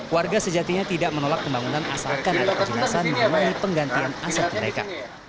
warga sejatinya tidak menolak pembangunan asalkan ada kejelasan mengenai penggantian aset mereka